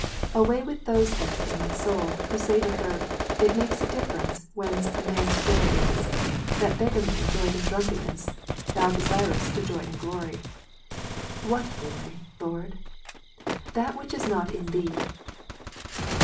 '"^' 10. Away with those then from my soul, who say to her, " It makes a difference, whence a man's joy is. That beg gar man joyed in drunkenness ; thou desiredst to joy in glory." What glory, Lord ? That which is not in Thee.